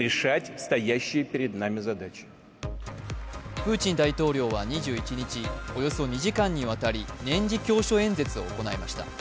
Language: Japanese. プーチン大統領は２１日およそ２時間にわたり、年次教書演説を行いました。